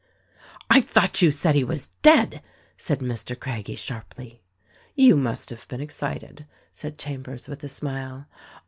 "I thought you said he was dead!" said Mr. Craggie sharply. "You must have been excited," said Chambers with a smile.